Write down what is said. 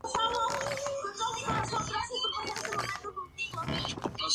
Cazan con arco y flechas envenenadas.